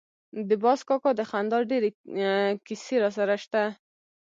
د باز کاکا د خندا ډېرې کیسې راسره شته.